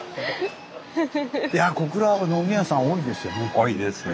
いやぁ小倉は飲み屋さん多いですよね。